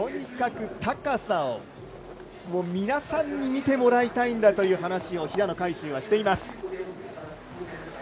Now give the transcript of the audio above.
とにかく高さを皆さんに見てもらいたいんだという話を平野海祝はしています。